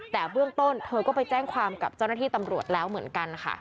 แต่เบื้องต้นเธอก็ไปแจ้งความกับเจ้าหน้าที่ตำรวจแล้วเหมือนกันค่ะ